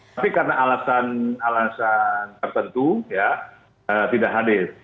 tapi karena alasan alasan tertentu ya tidak hadir